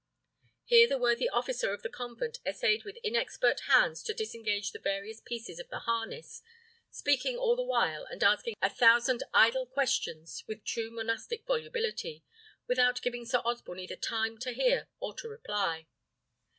Here the worthy officer of the convent essayed with inexpert hands to disengage the various pieces of the harness, speaking all the while, and asking a thousand idle questions with true monastic volubility, without giving Sir Osborne either time to hear or to reply.